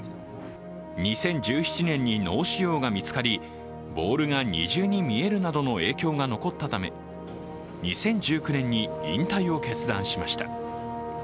２０１７年に脳腫瘍が見つかりボールが二重に見えるなどの影響が残ったため、２０１９年に引退を決断しました。